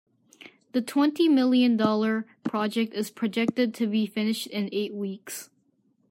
The twenty million dollar project is projected to be finished in eight weeks.